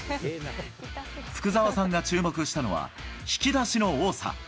福澤さんが注目したのは、引き出しの多さ。